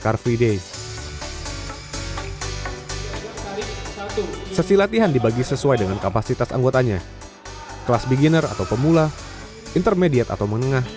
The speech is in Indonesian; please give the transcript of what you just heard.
cariday sesilatihan dibagi sesuai dengan kapasitas anggotanya class beginner atau pemula intermediate